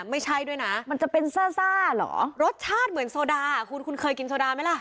ไม่ใช่ด้วยนะมันจะเป็นซ่าซ่าเหรอรสชาติเหมือนโซดาคุณคุณเคยกินโซดาไหมล่ะ